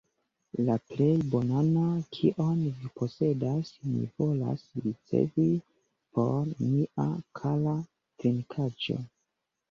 La plej bonan, kion vi posedas, mi volas ricevi por mia kara trinkaĵo!